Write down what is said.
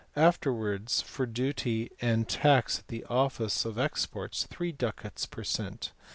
; afterwards for duty and tax at the office of exports, 3 ducats per cent.